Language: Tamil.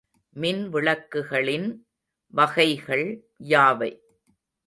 மின்விளக்குகளின் வகைகள் யாவை?